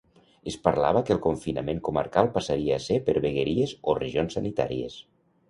Es parlava que el confinament comarcal passaria a ser per vegueries o regions sanitàries.